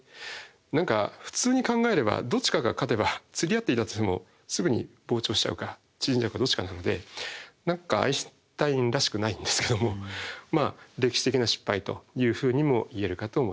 何か普通に考えればどっちかが勝てばつり合っていたとしてもすぐに膨張しちゃうか縮んじゃうかどっちかなので何かアインシュタインらしくないんですけどもまあ歴史的な失敗というふうにも言えるかと思います。